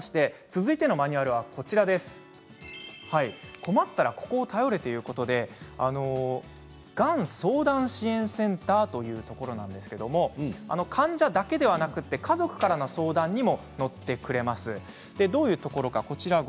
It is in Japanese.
続いてのマニュアルは困ったらここを頼れということでがん相談支援センターというところなんですけれども患者だけではなく家族からの相談にも乗ってくれます。